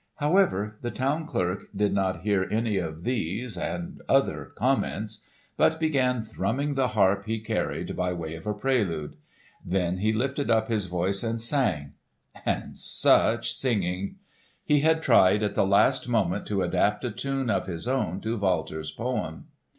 However, the town clerk did not hear any of these and other comments, but began thrumming the harp he carried, by way of a prelude. Then he lifted up his voice and sang—and such singing! He had tried at the last moment to adapt a tune of his own to Walter's poem.